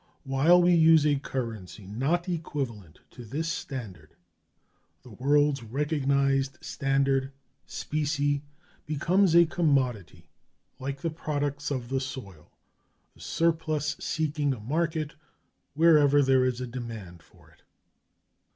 While we use a currency not equivalent to this standard the world's recognized standard, specie, becomes a commodity like the products of the soil, the surplus seeking a market wherever there is a demand for it.